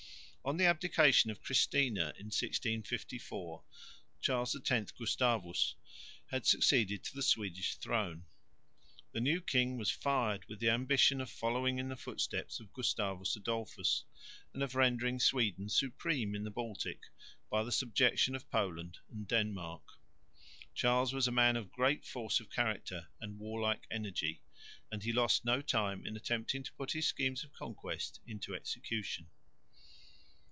On the abdication of Christina in 1654, Charles X Gustavus had succeeded to the Swedish throne. The new king was fired with the ambition of following in the footsteps of Gustavus Adolphus, and of rendering Sweden supreme in the Baltic by the subjection of Poland and Denmark. Charles was a man of great force of character and warlike energy, and he lost no time in attempting to put his schemes of conquest into execution.